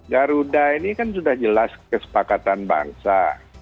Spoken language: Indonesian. garuda ini kan sudah jelas kesepakatan bangsa